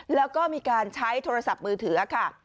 แล้วก็มีการใช้โทรศัพท์มือถือค่ะ